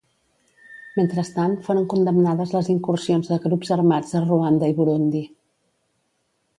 Mentrestant foren condemnades les incursions de grups armats a Ruanda i Burundi.